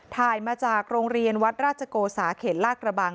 ถ่ายมาจากโรงเรียนวัดราชโกสาเขตลาดกระบัง